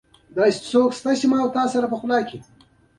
غرمه د طبیعي خوشحالۍ یو حالت دی